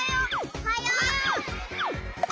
・おはよう！